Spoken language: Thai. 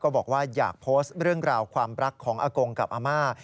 บอกว่าอยากโพสต์เรื่องราวความรักของอากงกับอาม่า